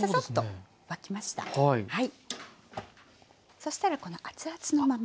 そしたらこの熱々のまま。